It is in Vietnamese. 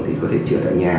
thì có thể chữa tại nhà